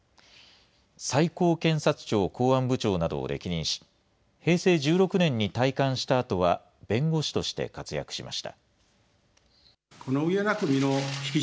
最高検察庁公安部長などを歴任し、平成１６年に退官したあとは、弁護士として活躍しました。